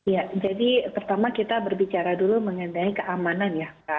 ya jadi pertama kita berbicara dulu mengenai keamanan ya